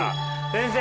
先生。